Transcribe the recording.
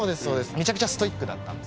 めちゃくちゃストイックだったんですよ。